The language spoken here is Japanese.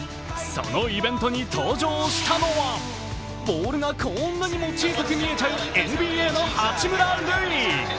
そのイベントに登場したのはボールがこんなにも小さく見えちゃう、ＮＢＡの八村塁。